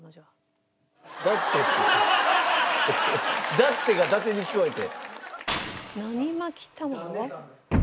「だって」が伊達に聞こえて？